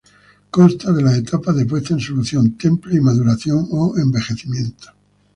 Constan de las etapas de puesta en solución, temple y maduración o envejecimiento.